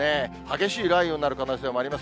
激しい雷雨になる可能性もあります。